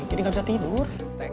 jadi gak bisa tidur